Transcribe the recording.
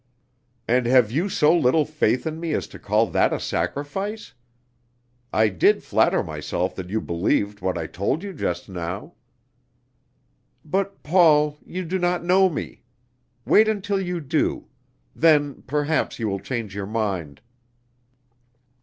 "And have you so little faith in me as to call that a sacrifice? I did flatter myself that you believed what I told you just now." "But, Paul, you do not know me. Wait until you do. Then, perhaps, you will change your mind."